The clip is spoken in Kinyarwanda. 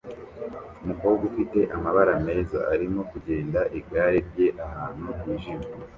Umukobwa ufite amabara meza arimo kugenda igare rye ahantu hijimye